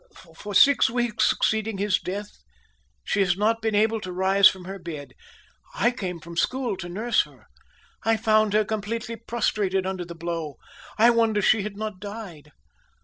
"For six weeks succeeding his death, she was not able to rise from her bed. I came from school to nurse her. I found her completely prostrated under the blow. I wonder she had not died.